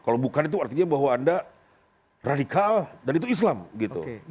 kalau bukan itu artinya bahwa anda radikal dan itu islam gitu